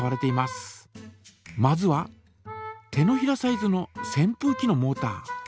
まずは手のひらサイズのせんぷうきのモータ。